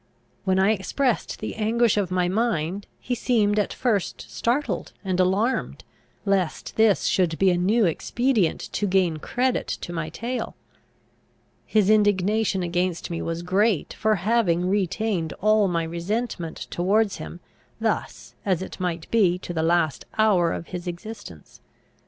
When I expressed the anguish of my mind, he seemed at first startled and alarmed, lest this should be a new expedient to gain credit to my tale. His indignation against me was great for having retained all my resentment towards him, thus, as it might be, to the last hour of his existence.